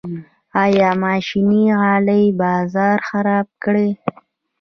آیا ماشیني غالۍ بازار خراب کړی؟